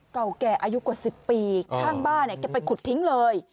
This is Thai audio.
เก่าแก่อายุกว่า๑๐ปีข้างบ้านเนี่ยแกไปขุดทิ้งเลย